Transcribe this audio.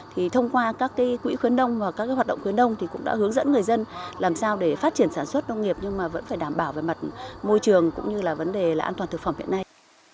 thì thông qua các quỹ khuyến đông và các hoạt động khuyến đông thì cũng đã hướng dẫn người dân làm sao để phát triển sản xuất nông nghiệp nhưng mà vẫn phải đảm bảo về mặt môi trường cũng như là vấn đề là an toàn thực phẩm hiện nay